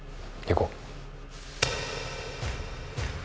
行こう！